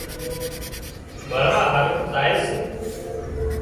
مۯوا هارو زائي سي